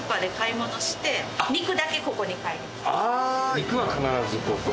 肉は必ずここ？